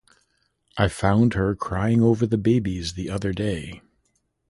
I found her crying over the babies the other day.